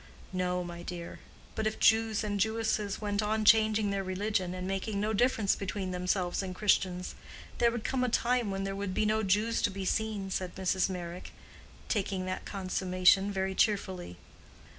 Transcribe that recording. "No, my dear. But if Jews and Jewesses went on changing their religion, and making no difference between themselves and Christians, there would come a time when there would be no Jews to be seen," said Mrs. Meyrick, taking that consummation very cheerfully.